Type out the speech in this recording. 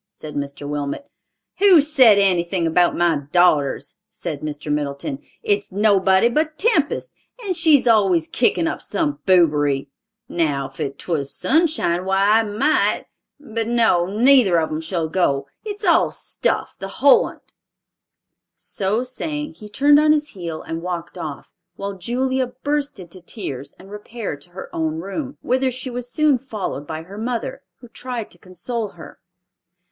said Mr. Wilmot. "Who's said anything about my daughters?" said Mr. Middleton. "It's nobody but Tempest, and she's always kickin' up some boobery. Now if 'twas Sunshine, why, I might—but no, neither of 'em shall go. It's all stuff, the whole on't." So saying, he turned on his heel and walked off, while Julia burst into tears and repaired to her own room, whither she was soon followed by her mother, who tried to console her.